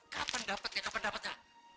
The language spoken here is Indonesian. kapan dapetnya kapan dapetnya